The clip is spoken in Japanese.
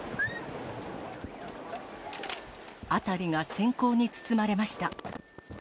辺りがせん光に包まれました。